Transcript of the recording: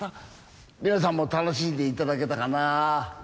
皆さんも楽しんで頂けたかな？